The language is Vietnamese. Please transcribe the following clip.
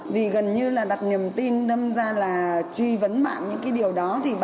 vì gần như là đặt niềm tin nâm ra là truy vấn bạn những cái điều đó